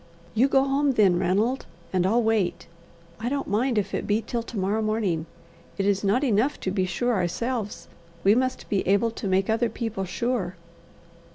"You go home then, Ranald, and I'll wait. I don't mind if it be till to morrow morning. It is not enough to be sure ourselves; we must be able to make other people sure."